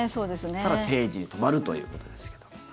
ただ定時に止まるということですけども。